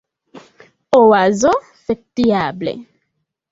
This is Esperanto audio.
Oazo: "Fekdiable!"